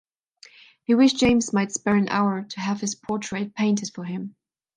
He wished James might spare an hour to have his portrait painted for him.